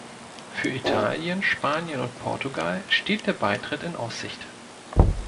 Für Italien, Spanien und Portugal steht der Beitritt in Aussicht.